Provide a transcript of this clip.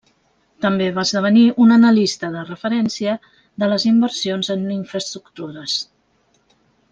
També va esdevenir un analista de referència de les inversions en infraestructures.